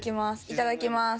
いただきます。